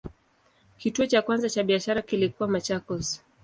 Kituo cha kwanza cha biashara kilikuwa Machakos.